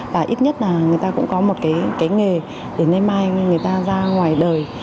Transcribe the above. và ít nhất là người ta cũng có một nghề để ngày mai người ta ra ngoài đời